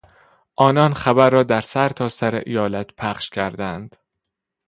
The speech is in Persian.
آنان خبر را در سرتاسر ایالت پخش کردند.